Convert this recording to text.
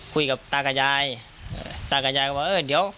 คุยกับตากับยายตากับยายก็บอกเออเดี๋ยว